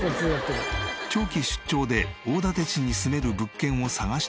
長期出張で大館市に住める物件を探していた時の事。